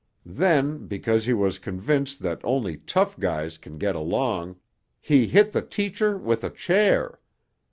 Then, because he was convinced that only tough guys can get along, he hit the teacher with a chair.